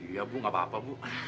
iya bu nggak apa apa bu